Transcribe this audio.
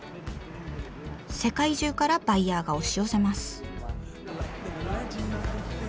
世界中からバイヤーが押し寄せます。